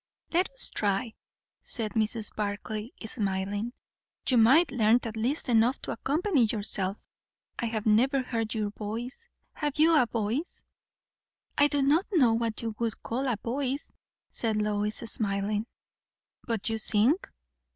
"Let us try," said Mrs. Barclay, smiling. "You might learn at least enough to accompany yourself. I have never heard your voice. Have you a voice?" "I do not know what you would call a voice," said Lois, smiling. "But you sing?"